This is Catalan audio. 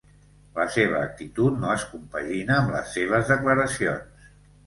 La seva actitud no es compagina amb les seves declaracions.